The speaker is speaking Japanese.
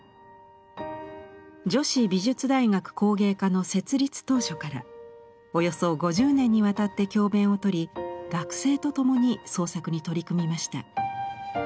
女子美術大学工芸科の設立当初からおよそ５０年にわたって教べんをとり学生と共に創作に取り組みました。